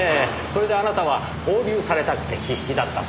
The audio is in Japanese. それであなたは拘留されたくて必死だった。